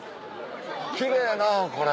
キレイなぁこれ。